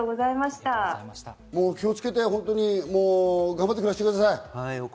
気をつけて頑張って暮らしてください。